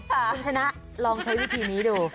คุณชนะลองใช้วิธีนี้ดู